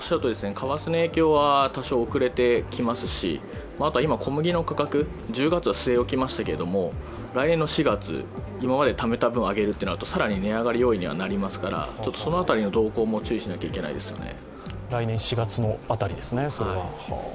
為替の影響は多少遅れてきますし、今、小麦の価格、１０月は据え置きましたけれども、来年の４月、今までためた分上がるとなると、更に値上がり要因となりますからその辺りの動向も注意しなきゃいけないですね。